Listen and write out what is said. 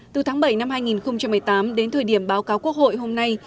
từ tháng bảy năm hai nghìn một mươi tám đến thời điểm báo cáo quốc hội hôm nay